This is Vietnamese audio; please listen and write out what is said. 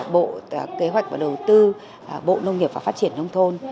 bộ kế hoạch và đầu tư bộ nông nghiệp và phát triển nông thôn